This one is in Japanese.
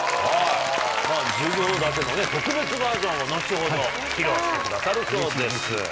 『授業』だけの特別バージョンを後ほど披露してくださるそうです。